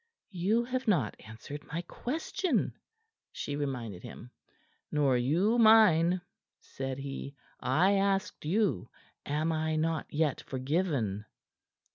"You have not answered my question," she reminded him. "Nor you mine," said he. "I asked you am I not yet forgiven."